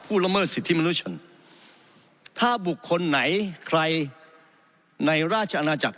ละเมิดสิทธิมนุชนถ้าบุคคลไหนใครในราชอาณาจักร